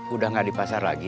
udah nggak di pasar lagi